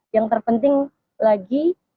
yang terpenting lagi